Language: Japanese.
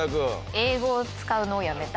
英語を使うのをやめた。